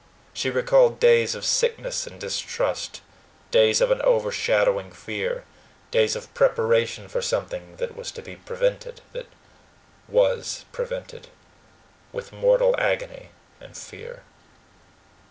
She recalled days of sickness and distrust days of an overshadowing fear days of preparation for something that was to be prevented, that WAS prevented, with mortal agony and fear.